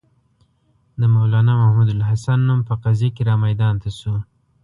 د مولنا محمودالحسن نوم په قضیه کې را میدان ته شو.